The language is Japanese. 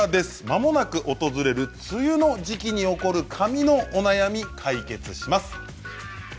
まもなく訪れる梅雨の時期に起こる髪のお悩み解決します。